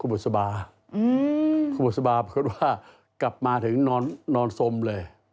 บุษบาคุณบุษบาเปิดว่ากลับมาถึงนอนสมเลย